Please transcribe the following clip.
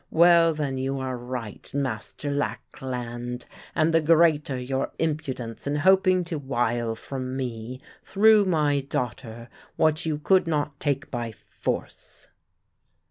Well, then, you are right, Master Lackland, and the greater your impudence in hoping to wile from me through my daughter what you could not take by force."